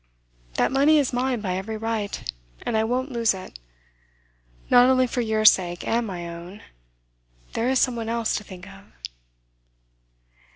That money is mine by every right, and I won't lose it. Not only for your sake and my own there is some one else to think of.